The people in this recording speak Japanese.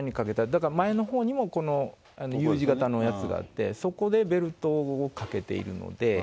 だから前のほうにもこのＵ字型のやつがあって、そこでベルトをかけているので。